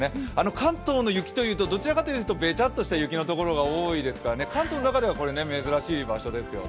関東の雪というとどちらかというとべちゃっとした雪の所が多いですから関東の中では珍しい場所ですよね。